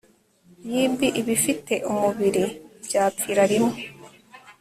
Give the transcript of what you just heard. yb ibifite umubiri byapfira rimwe